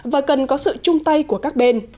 và cần có sự chung tay của các bên